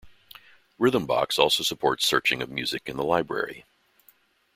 Rhythmbox also supports searching of music in the library.